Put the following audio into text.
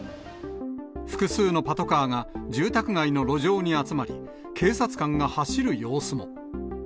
複数のパトカーが、住宅街の路上に集まり、警察官が走る様子も。